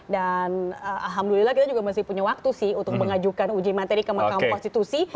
dan alhamdulillah kita juga masih punya waktu sih untuk mengajukan uji materi ke makam konstitusi